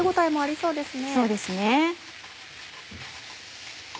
そうですね